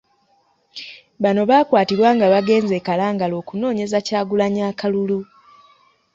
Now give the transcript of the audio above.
Bano baakwatibwa nga bagenze e Kalangala okunoonyeza Kyagulanyi akalulu.